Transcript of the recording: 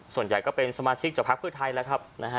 ส่วนใหญ่ก็เป็นสมาชิกจากพักพืชไทย